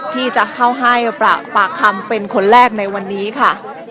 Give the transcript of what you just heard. ที่จะเข้าให้ปากคำเป็นคนแรกในวันนี้ค่ะ